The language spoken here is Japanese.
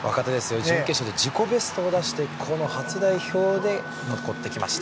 準決勝で自己ベストを出し初代表で残ってきました。